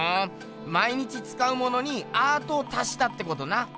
毎日つかうものにアートを足したってことな。